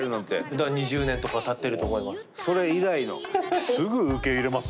だから２０年とかたっていると思います。